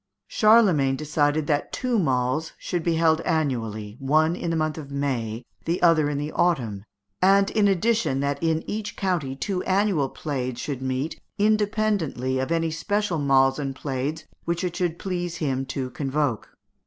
Charlemagne decided that two mahls should be held annually, one in the month of May, the other in the autumn, and, in addition, that in each county two annual plaids should meet independently of any special mahls and plaids which it should please him to convoke.